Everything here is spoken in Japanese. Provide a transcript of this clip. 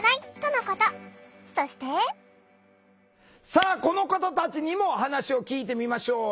さあこの方たちにも話を聞いてみましょう。